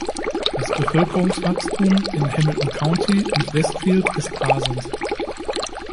Das Bevölkerungswachstum in Hamilton County und Westfield ist rasend.